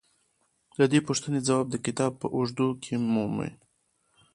د دې پوښتنې ځواب د کتاب په اوږدو کې مومئ.